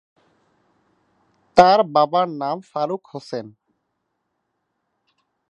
তার বাবার নাম ফারুক হোসেন।